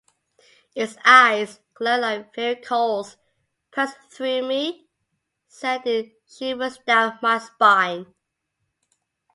Its eyes, glowing like fiery coals, pierced through me, sending shivers down my spine.